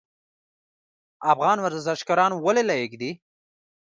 افغان ورزشکاران ولې لایق دي؟